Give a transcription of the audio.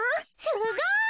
すごい！